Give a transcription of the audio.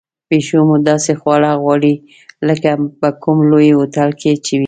پیشو مې داسې خواړه غواړي لکه په کوم لوی هوټل کې چې وي.